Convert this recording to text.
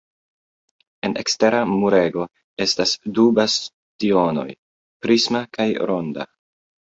En ekstera murego estas du bastionoj, prisma kaj ronda.